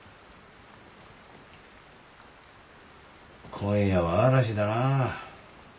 今夜は嵐だな。